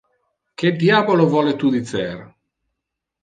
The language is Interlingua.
Que diabolo vole tu dicer?